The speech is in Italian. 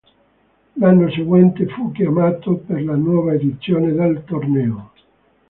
L'anno seguente fu chiamato per la nuova edizione del torneo.